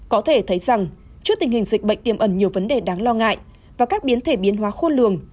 có thể thấy rằng trước tình hình dịch bệnh tiềm ẩn nhiều vấn đề đáng lo ngại và các biến thể biến hóa khôn lường